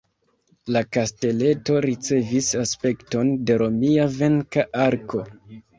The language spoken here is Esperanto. La kasteleto ricevis aspekton de romia venka arko.